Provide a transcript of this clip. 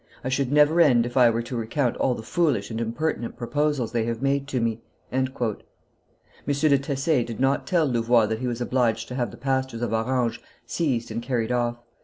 I should never end if I were to recount all the foolish and impertinent proposals they have made to me." M. de Tesse did not tell Louvois that he was obliged to have the pastors of Orange seized and carried off.